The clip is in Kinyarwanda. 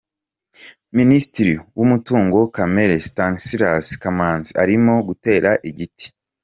Minisitiri w’Umutungo kamere Stanslas Kamanzi arimo gutera igiti.